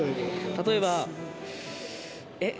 例えば、え？